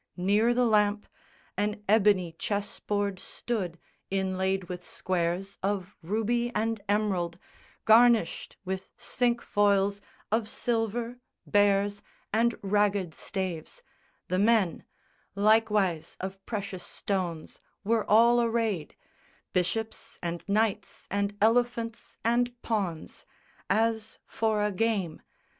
Near the lamp An ebony chess board stood inlaid with squares Of ruby and emerald, garnished with cinquefoils Of silver, bears and ragged staves; the men, Likewise of precious stones, were all arrayed Bishops and knights and elephants and pawns As for a game.